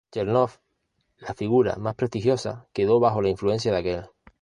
Chernov, la figura más prestigiosa, quedó bajo la influencia de aquel.